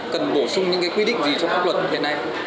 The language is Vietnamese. cần bổ sung những quy định gì trong pháp luật như thế này